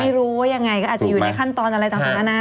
รู้ว่ายังไงก็อาจจะอยู่ในขั้นตอนอะไรต่างนะนะ